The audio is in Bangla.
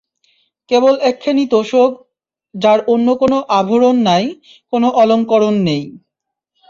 কেবল একখানি তোশক, যার অন্য কোনো আভরণ নেই, কোনো অলংকরণ নেই।